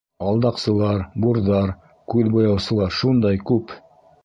Алдаҡсылар, бурҙар, күҙ буяусылар шундай күп!